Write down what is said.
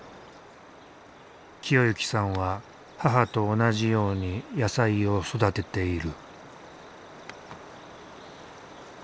清幸さんは母と同じように野菜を育てている。